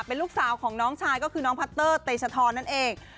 เป็นลูกสาวของน้องชายก็คือน้องพัตเตอร์เตชทรนั่นเอง